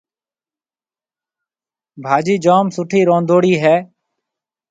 ڀاجِي جوم سُٺِي روندهوڙِي هيَ۔